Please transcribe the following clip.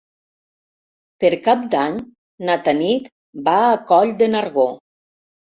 Per Cap d'Any na Tanit va a Coll de Nargó.